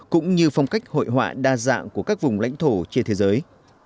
cũng như phong cách hội họa đa dạng của các vùng lãnh thổ trên thế giới